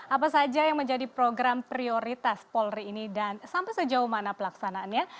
apa saja yang menjadi program prioritas polri ini dan sampai sejauh mana pelaksanaannya